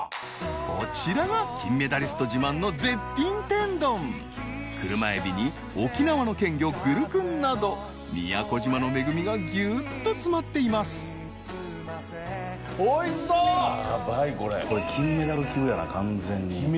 こちらが金メダリスト自慢の絶品天丼クルマエビに沖縄の県魚グルクンなど宮古島の恵みがギュッと詰まっていますうわ。